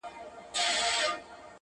ته تر کومه انتظار کوې بې بخته!